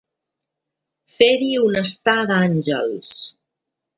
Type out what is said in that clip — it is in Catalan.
Fer-hi un estar d'àngels.